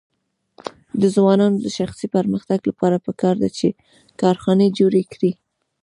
د ځوانانو د شخصي پرمختګ لپاره پکار ده چې کارخانې جوړې کړي.